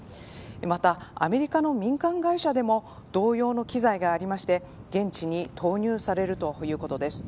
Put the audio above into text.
また、アメリカの民間会社でも同様の機材がありまして現地に投入されるということです。